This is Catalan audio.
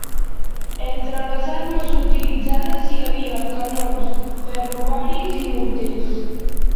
Entre les armes utilitzades hi havia canons ferroviaris i morters.